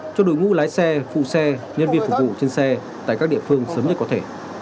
cho đội ngũ lái xe phụ xe nhân viên phục vụ trên xe tại các địa phương sớm nhất có thể